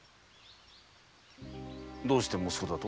どうして息子だと？